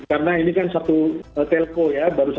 karena ini kan satu telco ya